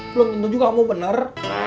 belum tentu juga kamu bener